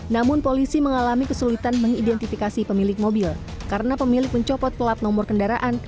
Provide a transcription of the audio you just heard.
namun polisi mengalami kesulitan mengidentifikasi pemilik mobil karena pemilik mencopot pelat nomor kendaraan